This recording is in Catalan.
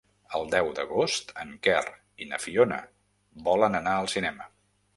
El deu d'agost en Quer i na Fiona volen anar al cinema.